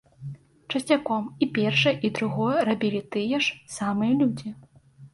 Часцяком і першае, і другое рабілі тыя ж самыя людзі.